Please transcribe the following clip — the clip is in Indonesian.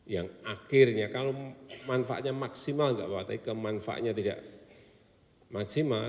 yang akhirnya kalau manfaatnya maksimal enggak apa apa tapi kemanfaatnya tidak maksimal